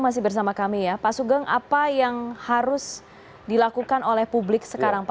saya berpikirnya itu adalah hal yang harus diperlukan